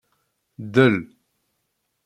Del.